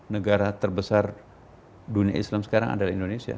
negara terbesar dunia islam sekarang adalah indonesia